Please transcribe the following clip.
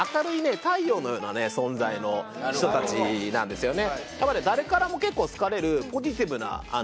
のような存在の人たちなんですよね